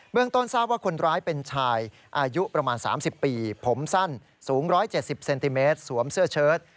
เมืองต้นทราบว่าคนร้ายเป็นชายอายุประมาณ๓๐ปีผมสั้นสูง๑๗๐เซนติเมตรสวมเสื้อเชิด